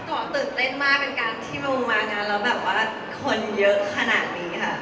ก็ตื่นเต้นมากเป็นการที่เบลมางานแล้วแบบว่าคนเยอะขนาดนี้ค่ะ